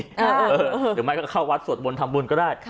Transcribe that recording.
หรือไม่ก็เข้าวัดสวดมนต์ทำบุญก็ได้